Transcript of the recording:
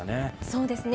そうですね。